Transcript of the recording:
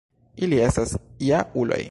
Ili estas ja-uloj